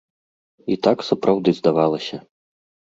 І так сапраўды здавалася.